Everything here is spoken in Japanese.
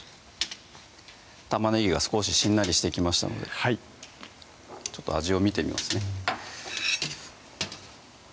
玉ねぎが少ししんなりしてきましたのでちょっと味を見てみますね